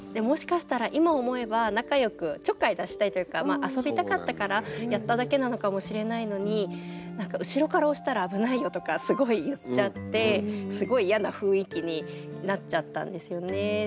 もしかしたら今思えば仲良くちょっかい出したいというか遊びたかったからやっただけなのかもしれないのに「後ろから押したら危ないよ」とかすごい言っちゃってすごい嫌な雰囲気になっちゃったんですよね。